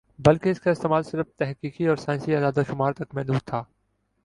بلکہ اس کا استعمال صرف تحقیقی اور سائنسی اعداد و شمار تک محدود تھا